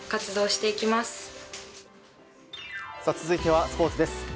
続いてはスポーツです。